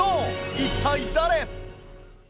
一体誰？